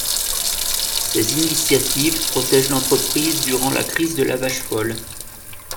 Ces initiatives protègent l’entreprise durant la crise de la vache folle.